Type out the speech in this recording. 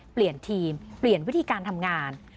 เปลี่ยนทีมเปลี่ยนวิธีการทำงาน